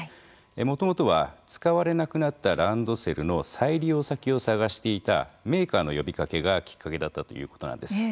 もともとは使われなくなったランドセルの再利用先を探していたメーカーの呼びかけがきっかけだったということなんです。